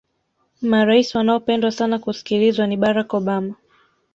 maraisi wanaopendwa sana kusikilizwa ni barack obama